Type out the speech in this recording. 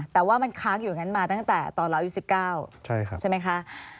แต่ว่ามันค้างอยู่อย่างนั้นมาตั้งแต่ตอนเราอายุ๑๙ใช่ไหมคะ